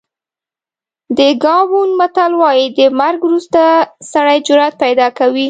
د ګابون متل وایي د مرګ وروسته سړی جرأت پیدا کوي.